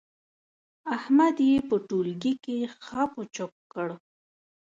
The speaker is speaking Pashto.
احمد يې په ټولګي کې خپ و چپ کړ.